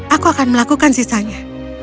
aku akan melakukan sisanya